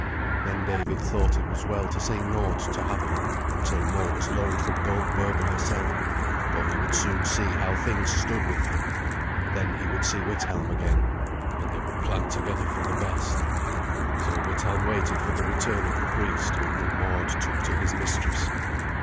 Then David thought it was well to say naught to Havelok until more was learned from Goldberga herself, for he would soon see how things stood with her. Then he would see Withelm again, and they would plan together for the best. So Withelm waited for the return of the priest, whom Mord took to his mistress.